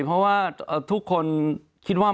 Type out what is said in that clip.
เพราะว่าทุกคนคิดว่า